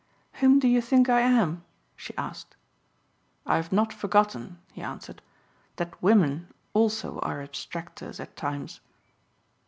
"Whom do you think I am?" she asked. "I have not forgotten," he answered, "that women also are abstractors at times."